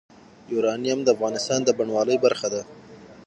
یورانیم د افغانستان د بڼوالۍ برخه ده.